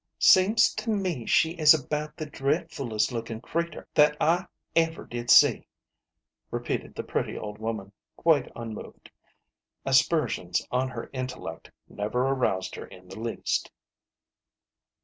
" Seems to me she is about the dretfulest lookin' cretur that I ever did see," repeated the pretty old woman, quite unmoved. Aspersions on her intellect never aroused her in the least.